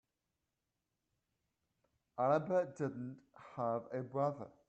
Albert didn't have a brother.